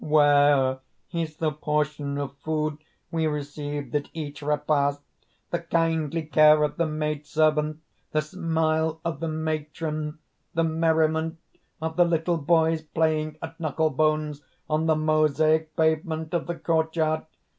_) "Where is the portion of food we received at each repast, the kindly care of the maid servant, the smile of the matron, the merriment of the little boys playing at knuckle bones on the mosaic pavement of the court yard?